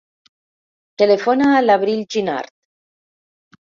Telefona a l'Avril Ginard.